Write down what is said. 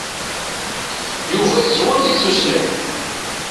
Yuba yeẓwwer deg tusnak.